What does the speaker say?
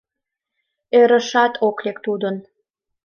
Ӧрышат ок лек тудын.